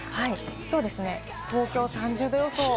東京は３０度予想。